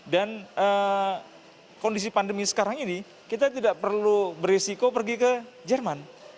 dan kondisi pandemi sekarang ini kita tidak perlu berisiko pergi ke jerman